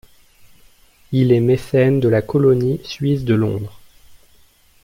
Il est mécène de la colonie suisse de Londres.